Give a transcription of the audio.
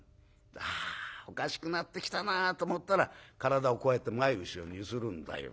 はあおかしくなってきたなと思ったら体をこうやって前後ろに揺するんだよ。